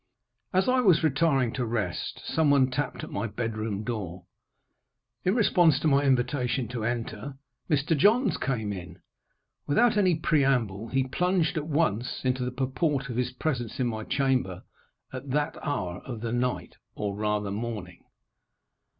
As I was retiring to rest, some one tapped at my bed room door. In response to my invitation to enter, Mr. Johns came in. Without any preamble, he plunged at once into the purport of his presence in my chamber at that hour of the night, or, rather, morning.